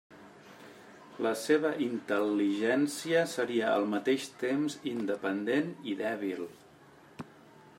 La seva intel·ligència seria al mateix temps independent i dèbil.